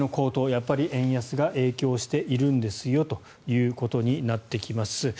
やっぱり円安が影響しているんですよということになってきます。